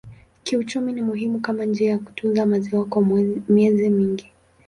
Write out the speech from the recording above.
Kiuchumi ni muhimu kama njia ya kutunza maziwa kwa miezi mingi.